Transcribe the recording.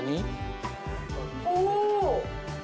お。